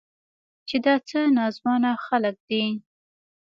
چې دا څه ناځوانه خلق دي.